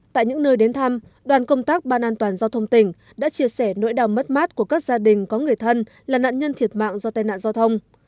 tại những nơi đến thăm đoàn công tác ban an toàn giao thông tỉnh đã chia sẻ nỗi đau mất mát của các gia đình có người thân là nạn nhân thiệt mạng do tai nạn giao thông